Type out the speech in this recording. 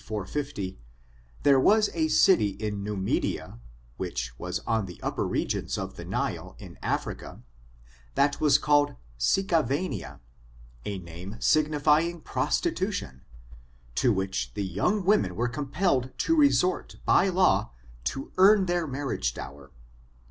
430, there was a city in Numidia^ which was on the upper regions of the JNile^ in Africa, that was called Siccavenici^ a name signifying prostitution, to which the young women were compelled to resort by law, to earn their marriage dower.